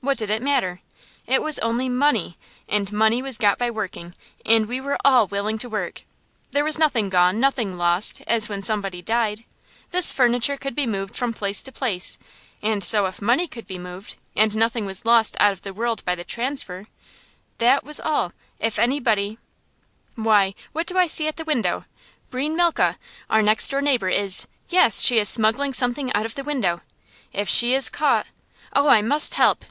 What did it matter? It was only money, and money was got by working, and we were all willing to work. There was nothing gone, nothing lost, as when somebody died. This furniture could be moved from place to place, and so could money be moved, and nothing was lost out of the world by the transfer. That was all. If anybody Why, what do I see at the window? Breine Malke, our next door neighbor, is yes, she is smuggling something out of the window! If she is caught ! Oh, I must help!